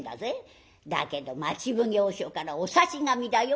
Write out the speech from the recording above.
「だけど町奉行所からお差し紙だよ。